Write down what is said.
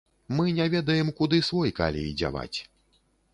Мы не ведаем, куды свой калій дзяваць.